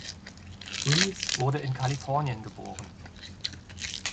Reeves wurde in Kalifornien geboren.